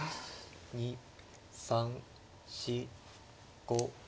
２３４５。